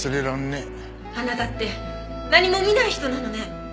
あなたって何も見ない人なのね！